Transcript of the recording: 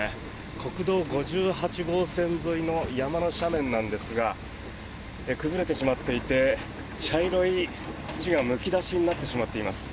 国道５８号線沿いの山の斜面なんですが崩れてしまっていて茶色い土がむき出しになってしまっています。